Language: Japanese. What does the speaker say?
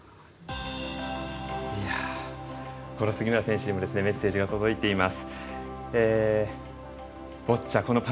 杉村選手にもメッセージが届いています。